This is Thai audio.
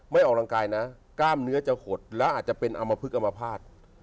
ออกกำลังกายนะกล้ามเนื้อจะหดแล้วอาจจะเป็นอมพลึกอมภาษณ์